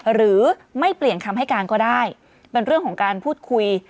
หรือไม่เปลี่ยนคำให้การก็ได้เป็นเรื่องของการพูดคุย